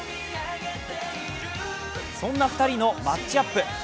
そんな２人のマッチアップ。